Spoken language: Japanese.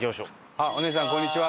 お姉さんこんにちは。